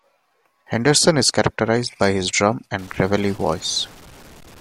Henderson is characterized by his drum and gravelly voice.